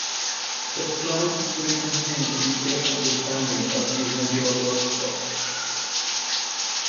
The plan typically contains a detailed understanding of the eventual workflow.